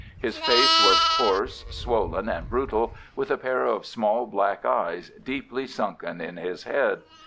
His face was coarse, swollen, and brutal, with a pair of small black eyes deeply sunken in his head.